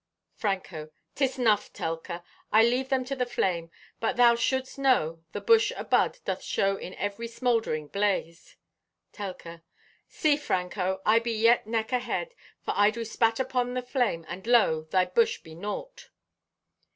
(Franco) "'Tis nuff, Telka, I leave them to the flame. But thou shouldst know the bush abud doth show in every smouldering blaze." (Telka) "See, Franco, I be yet neck ahead, for I do spat upon the flame and lo, thy bush be naught!"